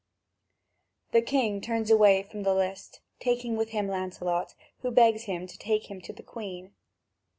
The king turns away from the list, taking with him Lancelot, who begs him to take him to the Queen.